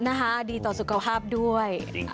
นะคะดีต่อสุขภาพด้วย